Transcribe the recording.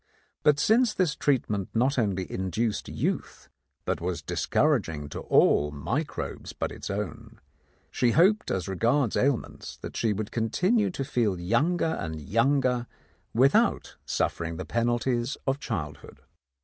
But since this treatment not only induced youth, but was discouraging to all microbes but its own, she hoped as regards ailments that she would continue to feel younger and younger without suffer ing the penalties of childhood.